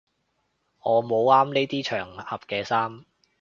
我冇啱呢啲場合嘅衫